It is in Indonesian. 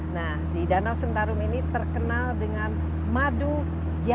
nah di danau sentarung ini terkenal dengan madu jahat